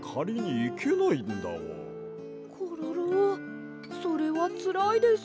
コロロそれはつらいです。